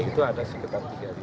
jadi kita harus punya gerakan bersama